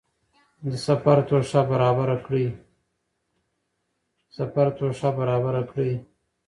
د سفر توښه برابره کړئ.